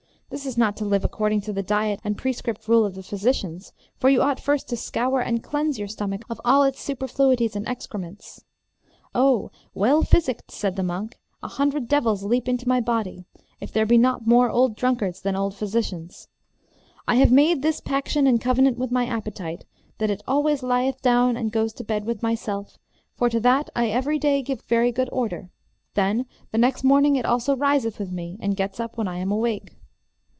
This is not to live according to the diet and prescript rule of the physicians, for you ought first to scour and cleanse your stomach of all its superfluities and excrements. Oh, well physicked, said the monk; a hundred devils leap into my body, if there be not more old drunkards than old physicians! I have made this paction and covenant with my appetite, that it always lieth down and goes to bed with myself, for to that I every day give very good order; then the next morning it also riseth with me and gets up when I am awake.